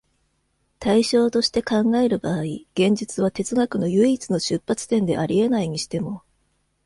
対象として考える場合、現実は哲学の唯一の出発点であり得ないにしても、